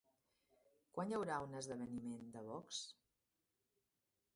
Quan hi haurà un esdeveniment de Vox?